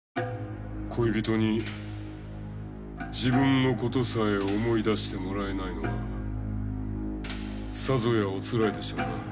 恋人に自分のことさえ思い出してもらえないのはさぞやおつらいでしょうな。